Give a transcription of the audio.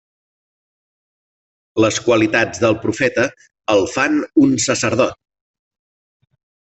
Les qualitats del profeta el fan un sacerdot.